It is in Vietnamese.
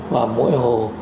và mỗi hồ